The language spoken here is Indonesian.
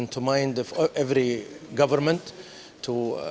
yang terjadi di pikiran setiap pemerintah